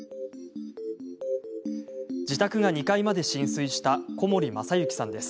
自宅が２階まで浸水した小森雅之さんです。